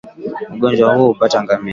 Ugonjwa huu huwapata ngamia